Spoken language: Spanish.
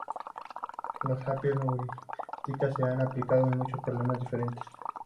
Las hiper-heurísticas se han aplicado en muchos problemas diferentes.